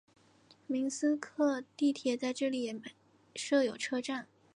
明斯克地铁在这里也设有车站。